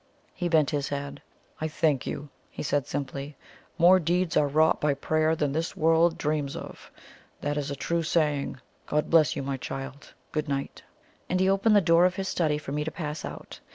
He bent his head. "I thank you!" he said simply. "More deeds are wrought by prayer than this world dreams of! That is a true saying. God bless you, my child. Good night!" And he opened the door of his study for me to pass out.